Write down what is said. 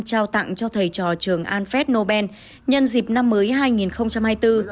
trao tặng cho thầy trò trường alfred nobel nhân dịp năm mới hai nghìn hai mươi bốn